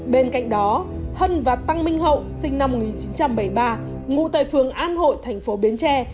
bên cạnh đó hân và tăng minh hậu sinh năm một nghìn chín trăm bảy mươi ba ngụ tại phường an hội thành phố bến tre